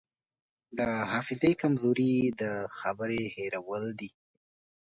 د حافظې کمزوري د خبرې هېرول دي.